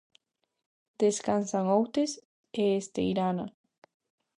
Descansan Outes e Esteirana.